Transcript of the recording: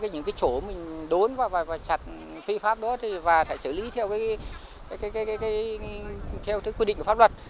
những cái chỗ mình đốn và chặt phi pháp đó và sẽ xử lý theo cái quy định của pháp luật